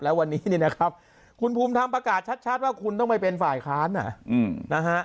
แล้ววันนี้เนี่ยนะครับคุณภูมิธรรมประกาศชัดว่าคุณต้องไปเป็นฝ่ายค้านนะฮะ